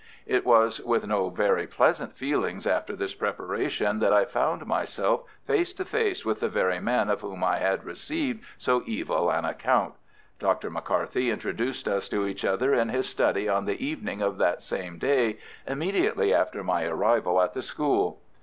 It was with no very pleasant feelings after this preparation that I found myself face to face with the very man of whom I had received so evil an account. Dr. McCarthy introduced us to each other in his study on the evening of that same day immediately after my arrival at the school.